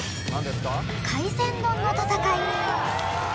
海鮮丼の戦い